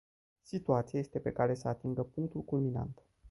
Situația este pe cale să atingă punctul culminant.